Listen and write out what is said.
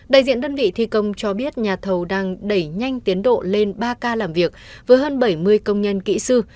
đại diện đơn vị thi công cho biết nhà thầu đang đẩy nhanh tiến độ lên ba ca làm việc với hơn bảy mươi công nhân kỹ sư